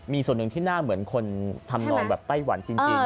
มีส่วนหนึ่งที่หน้าเหมือนคนทำนองแบบไต้หวันจริง